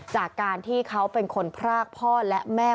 จากการที่เขาเป็นคนพรากพ่อและแม่